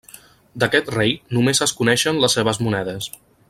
D'aquest rei només es coneixen les seves monedes.